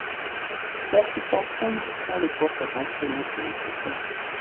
Percy Thompson prend le poste d'entraîneur de l'équipe.